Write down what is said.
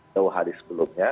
tahu hari sebelumnya